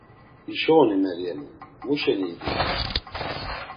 “Hişo oni Meryemi? Mu şeni iditu?”